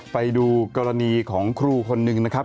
ไปดูกรณีของครูคนหนึ่งนะครับ